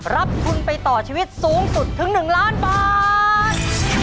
รับทุนไปต่อชีวิตสูงสุดถึง๑ล้านบาท